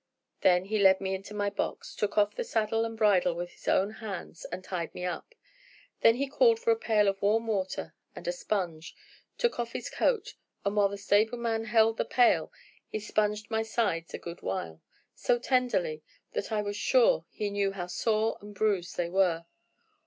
Then he led me into my box, took off the saddle and bridle with his own hands, and tied me up; then he called for a pail of warm water and a sponge, took off his coat, and while the stableman held the pail, he sponged my sides a good while, so tenderly that I was sure he knew how sore and bruised they were.